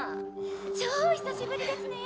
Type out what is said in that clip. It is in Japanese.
超久しぶりですねぇ。